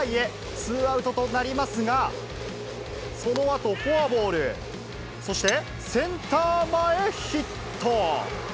ツーアウトとなりますが、そのあとフォアボール、そしてセンター前ヒット。